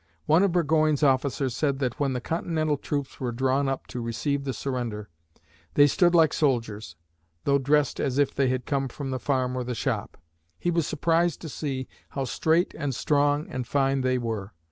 One of Burgoyne's officers said that when the Continental troops were drawn up to receive the surrender, they stood like soldiers, though dressed as if they had come from the farm or the shop. He was surprised to see how straight and strong and fine they were!